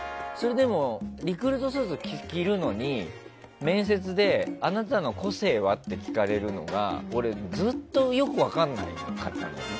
でも、リクルートスーツ着るのに面接であなたの個性は？って聞かれるのが俺、ずっとよく分からなかったんだよね。